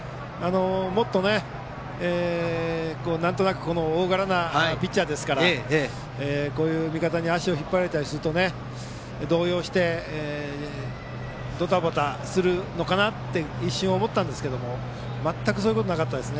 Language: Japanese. もっとなんとなく大柄なピッチャーですから味方に足を引っ張られたりすると動揺してドタバタするのかなって一瞬思ったんですが全くそんなことなかったです。